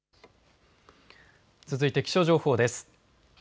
続いて気象情報です。